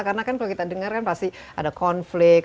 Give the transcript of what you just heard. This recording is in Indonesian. karena kalau kita dengar pasti ada konflik